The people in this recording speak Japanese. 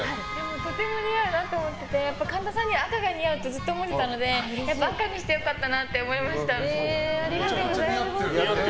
とても似合うなと思っていて神田さんに赤が似合うってずっと思ってたので赤にして良かったなって思いました。